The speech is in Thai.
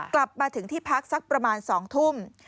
กลับมาถึงที่พักสักประมาณ๒ทุ่ม